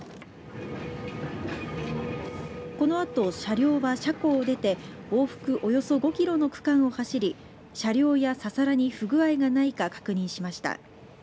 このあと車両は車庫を出て往復およそ５キロの区間を走り車両やササラに不具合がないか確認しました。